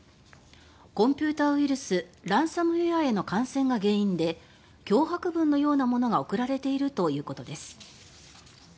コンピューターウイルス「ランサムウェア」への感染が原因で脅迫文のようなものが送られているということです。